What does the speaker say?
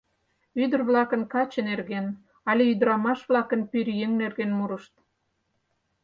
Ӱдыр-влакын каче нерген але ӱдырамаш-влакын пӧръеҥ нерген мурышт.